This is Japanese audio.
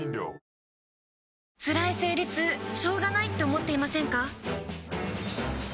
つらい生理痛しょうがないって思っていませんか？